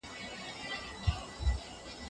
غم به مي تا باندي هم ځمکه ګرځوینه